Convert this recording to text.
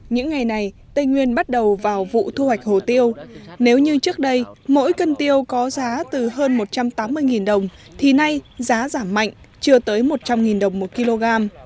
những ngày này tây nguyên bắt đầu vào vụ thu hoạch hồ tiêu nếu như trước đây mỗi cân tiêu có giá từ hơn một trăm tám mươi đồng thì nay giá giảm mạnh chưa tới một trăm linh đồng một kg